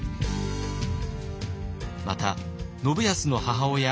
また信康の母親